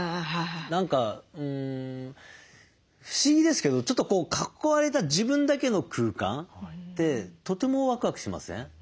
何か不思議ですけどちょっとこう囲われた自分だけの空間ってとてもワクワクしません？